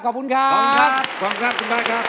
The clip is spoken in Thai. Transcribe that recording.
ขอบคุณครับ